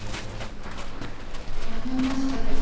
あ辞めましたけど。